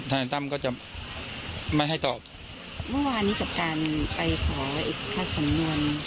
นายตั้มก็จะไม่ให้ตอบเมื่อวานนี้จากการไปขออีกคัดสำนวน